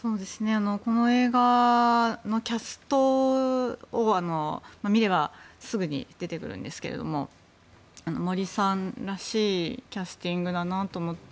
この映画のキャストを見ればすぐに出てくるんですけど森さんらしいキャスティングだなと思って。